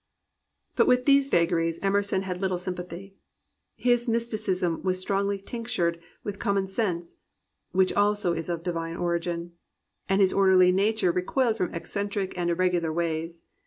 But with these vagaries Emerson had little sym ^ pathy. His mysticism was strongly tinctured with common sense, (which also is of divine origin,) and his orderly nature recoiled from eccentric and irregu lar ways.